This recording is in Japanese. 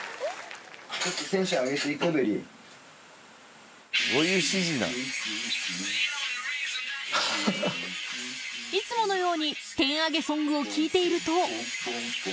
ちょっとテンション上げていこう、いつものように、テンアゲソングを聴いていると。